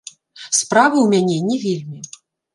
Справы ў мяне не вельмі.